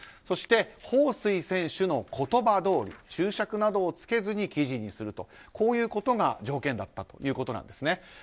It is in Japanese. そして、ホウ・スイ選手の言葉どおり、注釈などをつけずに記事をするとこういうことが条件だったということです。